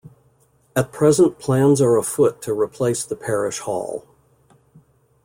At present plans are afoot to replace the parish hall.